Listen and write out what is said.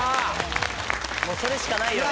もうそれしかないよね。